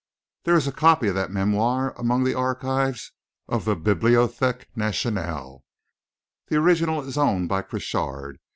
There is a copy of that memoir among the archives of the Bibliothèque Nationale; the original is owned by Crochard.